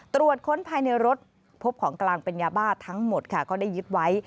ตรวจค้นภายในรถพบของกลางเป็นยาบ้าทั้งหมดค่ะก็ได้ยึดไว้